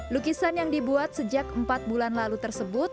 lukisan yang dibuat sejak empat bulan lalu tersebut